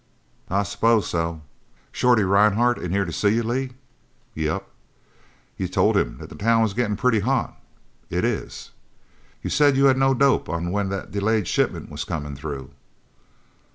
"I s'pose so. Shorty Rhinehart in here to see you, Lee?" "Yep." "You told him that the town was gettin' pretty hot." "It is." "You said you had no dope on when that delayed shipment was comin' through?"